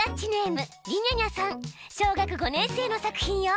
小学５年生の作品よ。